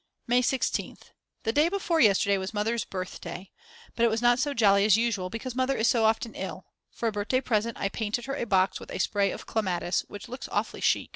May 16th. The day before yesterday was Mother's birthday; but it was not so jolly as usual because Mother is so often ill; for a birthday present I painted her a box with a spray of clematis, which looks awfully chic.